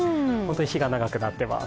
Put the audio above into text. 日が長くなっています。